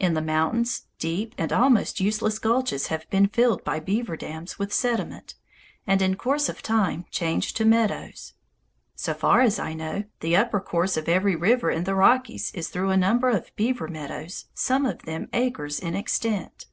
In the mountains, deep and almost useless gulches have been filled by beaver dams with sediment, and in course of time changed to meadows. So far as I know, the upper course of every river in the Rockies is through a number of beaver meadows, some of them acres in extent.